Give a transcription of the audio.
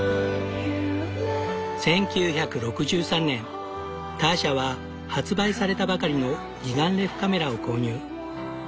１９６３年ターシャは発売されたばかりの二眼レフカメラを購入。